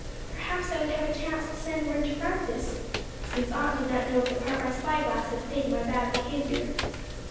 Perhaps I would have a chance to send word to Francis, since Aunt did not know of the part my spyglass had played in my bad behaviour.